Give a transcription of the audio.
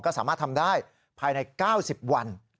ก็สามารถทำได้ภายใน๙๐วัน